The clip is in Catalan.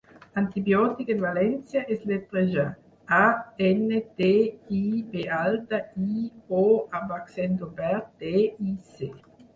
'Antibiòtic' en valencià es lletreja: a, ene, te, i, be alta, i, o amb accent obert, te, i, ce.